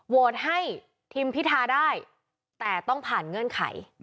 โหวตให้ทีมพิทาได้แต่ต้องผ่านเงื่อนไข